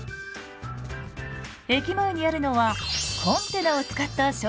駅前にあるのはコンテナを使った商店街です。